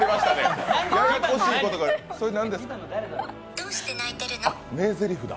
どうして泣いてるの？